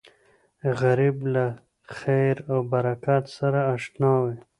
غریب له خیر او برکت سره اشنا وي